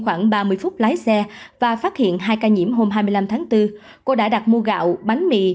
khoảng ba mươi phút lái xe và phát hiện hai ca nhiễm hôm hai mươi năm tháng bốn cô đã đặt mua gạo bánh mì